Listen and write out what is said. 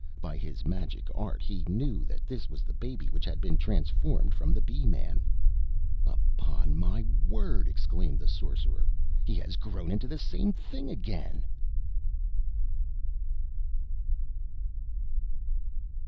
By his magic art he knew this was the baby which had been transformed from the Bee man. "Upon my word!" exclaimed the Sorcerer, "He has grown into the same thing again!"